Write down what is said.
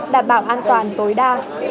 đảm bảo an toàn tối đa